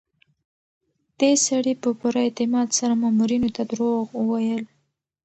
دې سړي په پوره اعتماد سره مامورینو ته دروغ وویل.